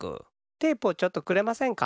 テープをちょっとくれませんか？